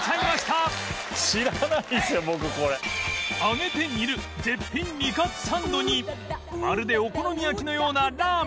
揚げて煮る絶品煮かつサンドにまるでお好み焼きのようなラーメン